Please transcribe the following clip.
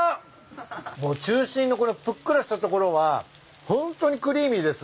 もう中心のこのぷっくらした所はホントにクリーミーですね。